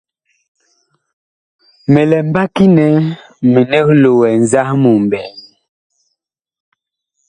Mi lɛ mbaki nɛ minig loɛ nzahmu ɓɛɛŋ.